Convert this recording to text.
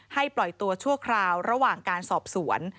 ปล่อยตัวชั่วคราวระหว่างการสอบสวน